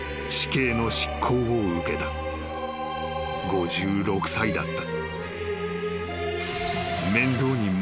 ［５６歳だった］